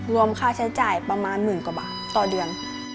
รวมค่าใช้จ่ายประมาณหมื่นกว่าบาทต่อเดือน